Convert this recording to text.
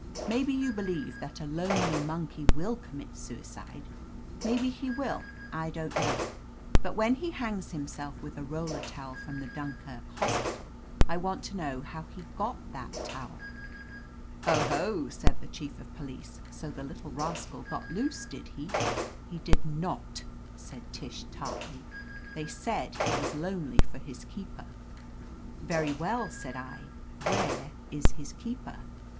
Maybe you believe that a lonely monkey will commit suicide; maybe he will, I don't know. But when he hangs himself with a roller towel from the Dunkirk hospital, I want to know how he got that towel." "Oho!" said the Chief of Police, "so the little rascal got loose, did he ?" "He did not," said Tish tartly. "They said he was lonely for his keeper. Very well, said i86 OF LETITIA CARBERRY I, where is his keeper?